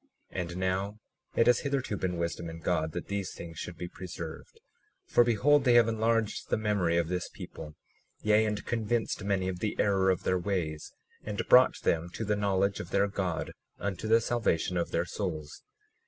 37:8 And now, it has hitherto been wisdom in God that these things should be preserved; for behold, they have enlarged the memory of this people, yea, and convinced many of the error of their ways, and brought them to the knowledge of their God unto the salvation of their souls.